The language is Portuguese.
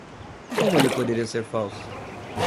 Como ele poderia ser falso?